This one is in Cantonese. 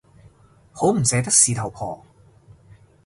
好唔捨得事頭婆